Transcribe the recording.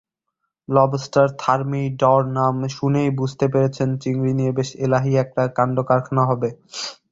Lobster থার্মিডরনাম শুনেই বুঝতে পেরেছেন চিংড়ি নিয়ে বেশ এলাহি একটা কাণ্ড-কারখানা হবে।